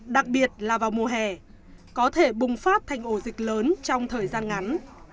đặc biệt là vào mùa hè có thể bùng phát thành ổ dịch lớn trong thời gian ngắn